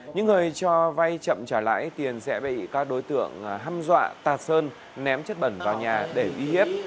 những người cho vay chậm trả lãi tiền sẽ bị các đối tượng hăm dọa tạt sơn ném chất bẩn vào nhà để uy hiếp